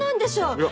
いや。